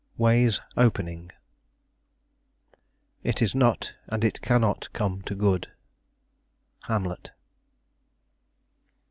WAYS OPENING "It is not and it cannot come to good." Hamlet.